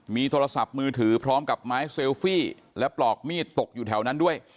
มีโทรศัพท์มือถือพร้อมกับไม้เซลฟี่และปลอกมีดตกอยู่แถวนั้นด้วย